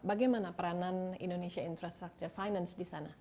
bagaimana peranan indonesia infrastructure finance di sana